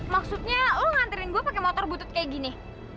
maksudnya lo nganterin gue pakai motor butut kayak gini